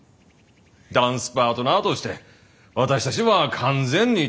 ダンスパートナーとして私たちは完全に対等じゃ！